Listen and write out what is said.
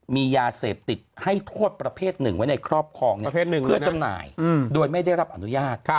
มียาเสพติดให้โทษประเภทหนึ่งไว้ในครอบครองเพื่อจำหน่ายโดยไม่ได้รับอนุญาต